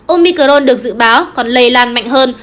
omicron được dự báo còn lây lan mạnh hơn